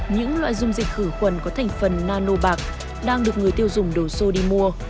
những loại dung dịch khử khuẩn có thành phần nano bạc đang được người tiêu dùng đổ xô đi mua